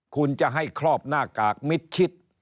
คุณจะให้ครอบหน้ากากมิดชิด